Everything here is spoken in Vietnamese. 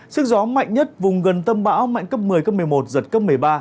sức gió mạnh nhất vùng gần tâm bão mạnh cấp một mươi cấp một mươi một giật cấp một mươi ba